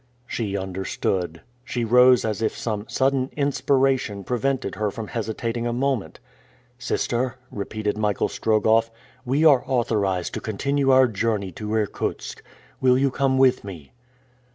She understood. She rose as if some sudden inspiration prevented her from hesitating a moment. "Sister," repeated Michael Strogoff, "we are authorized to continue our journey to Irkutsk. Will you come with me?"